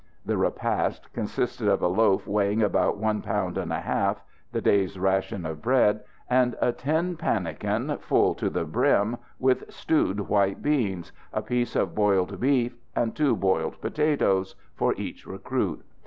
The repast consisted of a loaf weighing about one pound and a half the day's ration of bread and a tin pannikin full to the brim with stewed white beans, a piece of boiled beef and two boiled potatoes, for each recruit.